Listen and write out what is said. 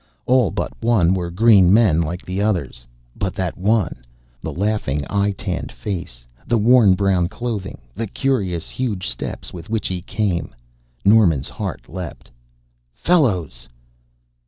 All but one were green men like the others. But that one the laughing eyed tanned face the worn brown clothing, the curious huge steps with which he came Norman's heart leapt. "Fellows!"